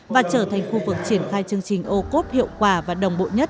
và trở thành khu vực triển khai chương trình ô cốt hiệu quả và đồng bộ nhất